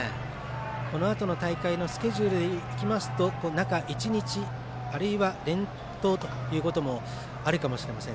このあとの大会のスケジュールで言いますと中１日あるいは連投ということもあるかもしれません。